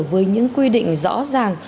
với những quy định rõ ràng